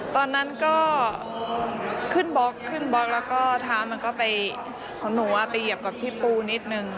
ตอนนั้นก็ขึ้นบล็อกขึ้นบล็อกแล้วก็เท้ามันก็ไปของหนูไปเหยียบกับพี่ปูนิดนึง